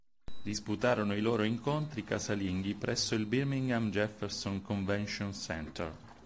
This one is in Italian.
Disputarono i loro incontri casalinghi presso il Birmingham Jefferson Convention Center.